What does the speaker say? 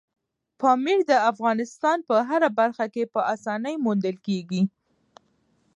پامیر د افغانستان په هره برخه کې په اسانۍ موندل کېږي.